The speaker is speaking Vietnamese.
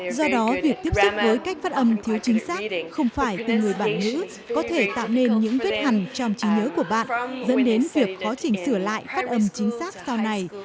do đó việc tiếp xúc với cách phát âm thiếu chính xác không phải từ người bản ngữ có thể tạo nên những vết hẳn trong trí nhớ của bạn dẫn đến việc quá trình sửa lại phát âm chính xác sau này